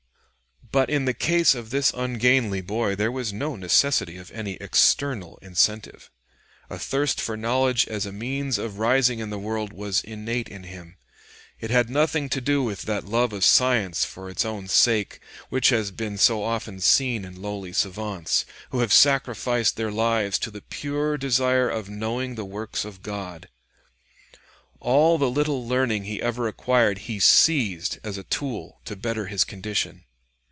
But in the case of this ungainly boy there was no necessity of any external incentive. A thirst for knowledge as a means of rising in the world was innate in him. It had nothing to do with that love of science for its own sake which has been so often seen in lowly savants, who have sacrificed their lives to the pure desire of knowing the works of God. All the little learning he ever acquired he seized as a tool to better his condition.